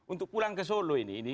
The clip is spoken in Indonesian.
untuk pulang ke solo ini